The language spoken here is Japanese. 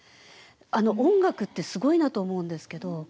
音楽ってすごいなと思うんですけど。